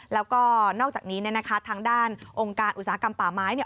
แล้วก็นอกจากนี้นะคะทางด้านองค์การอุตสาหกรรมป่าไม้